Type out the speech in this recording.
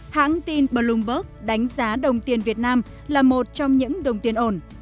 hãng tin bloomberg đánh giá đồng tiền việt nam là một trong những đồng tiền ổn